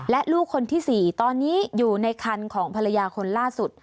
และลูกคนที่๔ตอนนี้อยู่ในคันของภรรยาคนล่าสุด